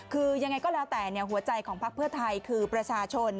คือยังไงก็แล้วแต่หัวใจของพักเพื่อไทยคือประชาชน